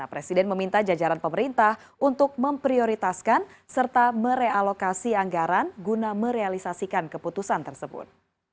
presiden meminta jajaran pemerintah untuk memprioritaskan serta merealokasi anggaran guna merealisasikan keputusan tersebut